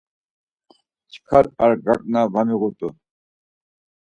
Çkar ar gagna va miğu rt̆u.